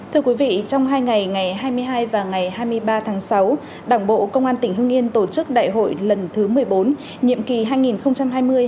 thưa quý vị trong hai ngày ngày hai mươi hai và ngày hai mươi ba tháng sáu đảng bộ công an tỉnh hương yên tổ chức đại hội lần thứ một mươi bốn